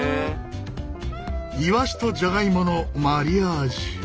イワシとじゃがいものマリアージュ。